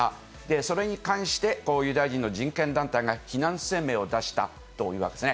それに関してユダヤ人の人権団体が非難声明を出したというわけですね。